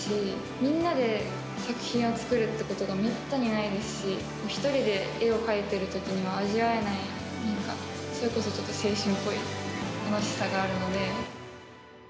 みんなで作品を作るっていうことがめったにないですし、１人で絵を描いてるときには味わえない、なんか、それこそ青春っぽい楽しさがあるので。